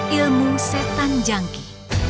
ilmu setan jangki